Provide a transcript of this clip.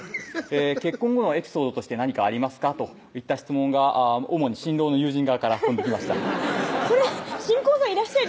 「結婚後のエピソードとして何かありますか？」といった質問が主に新郎の友人側から飛んできました新婚さんいらっしゃい！